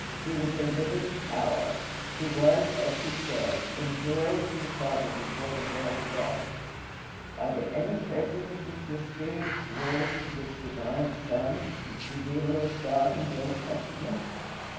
He was a living power. He was, as he says, in glory with the Father before the world was. Are there any traces of this mysterious Word, this divine Son, this Revealer of God in the Old Testament?